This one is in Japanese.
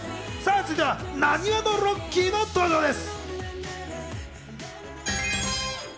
続いては浪速のロッキーの登場です。